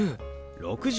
「６０」。